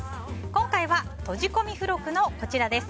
今回は、とじ込み付録のこちら。